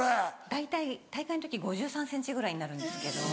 大体大会の時５３ｃｍぐらいになるんですけど。